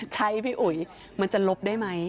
ใช่พี่อุ๋ยมันจะลบได้ไหม